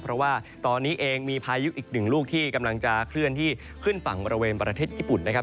เพราะว่าตอนนี้เองมีพายุอีกหนึ่งลูกที่กำลังจะเคลื่อนที่ขึ้นฝั่งบริเวณประเทศญี่ปุ่นนะครับ